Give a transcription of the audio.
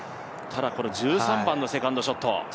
ただ、１３番のセカンドショット。